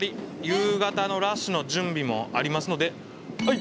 夕方のラッシュの準備もありますのでは